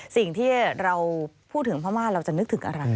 สิ่งที่เราพูดถึงพม่าเราจะนึกถึงอะไร